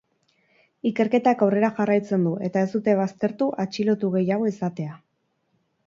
Ikerketak aurrera jarraitzen du eta ez dute baztertu atxilotu gehiago izatea.